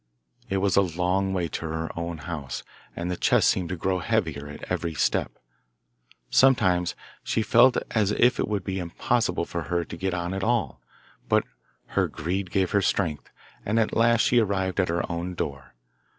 It was a long way to her own house, and the chest seemed to grow heavier at every step. Sometimes she felt as if it would be impossible for her to get on at all, but her greed gave her strength, and at last she arrived at her own door.